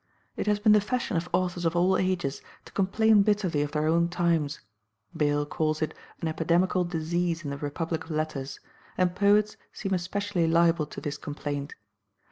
It has been the fashion of authors of all ages to complain bitterly of their own times. Bayle calls it an epidemical disease in the republic of letters, and poets seem especially liable to this complaint.